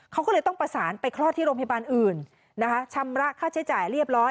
เขาก็เลยต้องประสานไปคลอดที่โรงพยาบาลอื่นนะคะชำระค่าใช้จ่ายเรียบร้อย